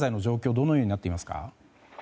どのようになっていますか？